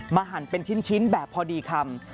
หั่นเป็นชิ้นแบบพอดีคำ